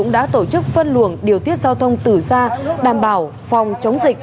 đã tổ chức phân luồng điều tiết giao thông tử gia đảm bảo phòng chống dịch